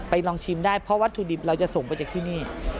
ลองชิมได้เพราะวัตถุดิบเราจะส่งไปจากที่นี่